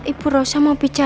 masa permen kita alright